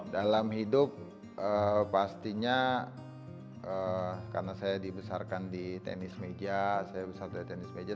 dalam hidup pastinya karena saya dibesarkan di tenis meja saya besar dari tenis meja